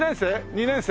２年生？